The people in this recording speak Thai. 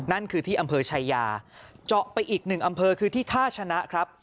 นั่นคือที่อำเภอชายาเจาะไปอีกหนึ่งอำเภอคือที่ท่าชนะครับ